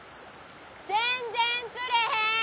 全然釣れへん。